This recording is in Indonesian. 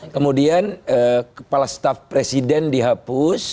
kemudian kepala staf presiden dihapus